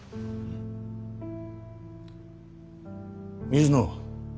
水野。